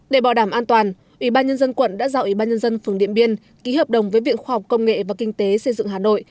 để bảo đảm an toàn ủy ban nhân dân quận đã giao ủy ban nhân dân phường điện biên ký hợp đồng với viện khoa học công nghệ và kinh tế xây dựng hà nội